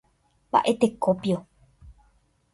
Mba'etekópio.